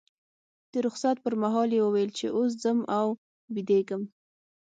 د رخصت پر مهال یې وویل چې اوس ځم او بیدېږم.